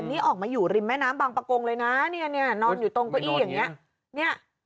แต่นี่ออกมาอยู่ริมแม่น้ำบางประกงเลยนะนอนอยู่ตรงกุ้งอี้อย่างนี้